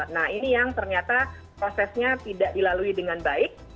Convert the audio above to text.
nah ini yang ternyata prosesnya tidak dilalui dengan baik